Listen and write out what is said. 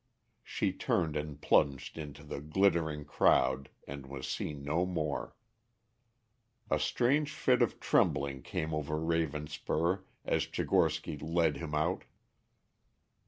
She turned and plunged into the glittering crowd, and was seen no more. A strange fit of trembling came over Ravenspur as Tchigorsky led him out.